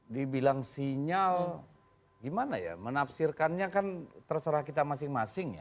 dibilang sinyal gimana ya menafsirkannya kan terserah kita masing masing ya